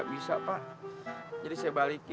biar hanya bisa pergi